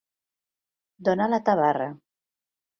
Donar la tabarra.